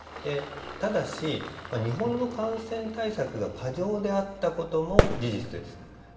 ただし、日本の感染対策が過剰であったことも事実です。